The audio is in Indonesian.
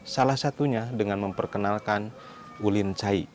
salah satunya dengan memperkenalkan ulincai